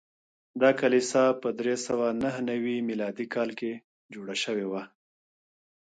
دا کلیسا په درې سوه نهه نوي میلادي کال کې جوړه شوې وه.